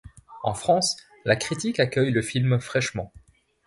En France la critique accueille le film fraîchement.